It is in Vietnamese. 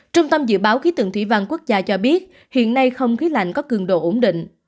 trung tâm dự báo khí tượng thủy văn quốc gia cho biết hiện nay không khí lạnh có cường độ ổn định